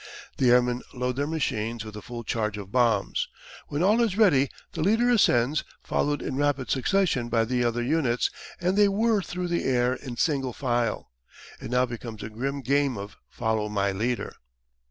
The airmen load their machines with a full charge of bombs. When all is ready the leader ascends, followed in rapid succession by the other units, and they whirr through the air in single file. It now becomes a grim game of follow my leader.